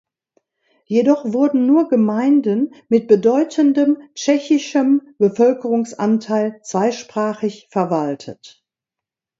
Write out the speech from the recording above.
Jedoch wurden nur Gemeinden mit bedeutendem tschechischem Bevölkerungsanteil zweisprachig verwaltet.